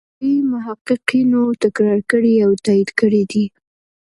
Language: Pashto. اروپايي محققینو تکرار کړي او تایید کړي دي.